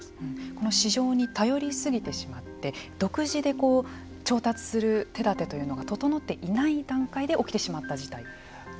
この市場に頼り過ぎてしまって独自で調達する手だてというのが整っていない段階で起きてしまった事態。